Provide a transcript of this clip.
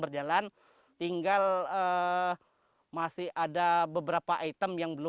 dan alhamdulillah yang kita dapat dari lewat bangsa saya